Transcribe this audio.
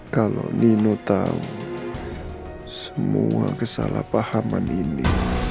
kalau nino tahu semua kesalahpahaman ini